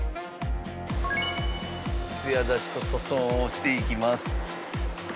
ツヤ出しと塗装をしていきます。